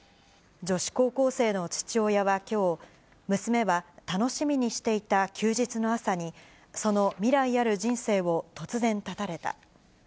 女子高校生の父親はきょう、娘は楽しみにしていた休日の朝に、その未来ある人生を突然絶たれた。